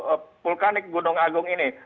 abu vulkanik gunung agung ini